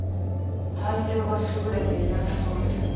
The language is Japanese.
体調がすぐれていなさそうですが。